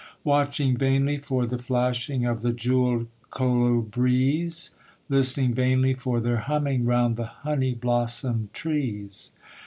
Watching vainly for the flashing Of the jewelled colibris; {331c} Listening vainly for their humming Round the honey blossomed trees.